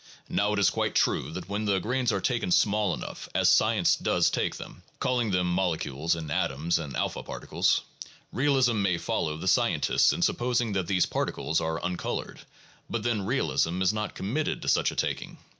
Now it is quite true that when the grains are taken small enough, as science does take them (calling them molecules and atoms and alpha particles), realism may follow the scientists in supposing that these particles are uncolored; but then realism is not committed to such a taking.